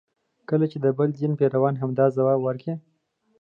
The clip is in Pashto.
کله چې د بل دین پیروان همدا ځواب ورکړي.